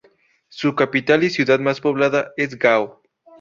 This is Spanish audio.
Su capital y ciudad más poblada es Gao.